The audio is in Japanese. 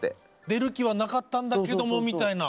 出る気はなかったんだけどもみたいな。